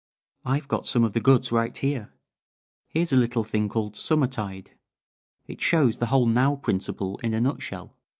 I've got some of the goods right here. Here's a little thing called 'Summer tide!' It shows the whole 'Now' principle in a nutshell.